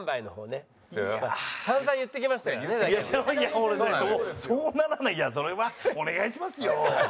俺そうならなきゃそれはお願いしますよ。